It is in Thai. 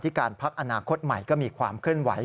การพักอนาคตใหม่ก็มีความเคลื่อนไหว